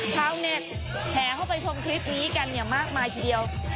ชาวเน็ทแผ่เข้าไปชมคลิปนี้กันมากก็มากคือเดียว